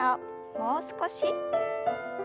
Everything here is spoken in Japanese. もう少し。